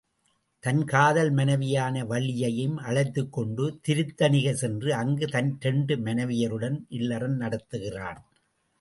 தன் காதல் மனைவியான வள்ளியையும் அழைத்துக் கொண்டு திருத்தணிகை சென்று அங்கு தன் இரண்டு மனைவியருடன் இல்லறம் நடத்துகிறான்.